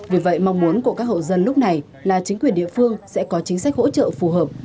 vì vậy mong muốn của các hộ dân lúc này là chính quyền địa phương sẽ có chính sách hỗ trợ phù hợp